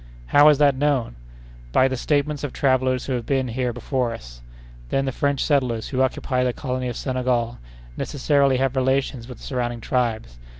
"How is that known?" "By the statements of travellers who have been here before us. Then the French settlers, who occupy the colony of Senegal, necessarily have relations with the surrounding tribes.